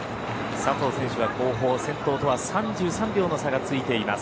佐藤選手は後方、先頭とは３３秒の差がついています。